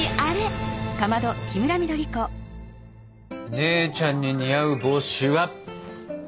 姉ちゃんに似合う帽子はこっちかな？